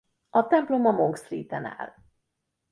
A templom a Monk Street-en áll.